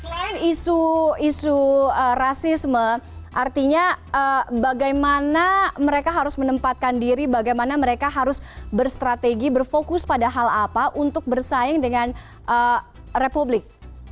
selain isu isu rasisme artinya bagaimana mereka harus menempatkan diri bagaimana mereka harus berstrategi berfokus pada hal apa untuk bersaing dengan republik